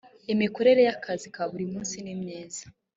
imikorere y ‘akazi ka buri munsi nimyiza.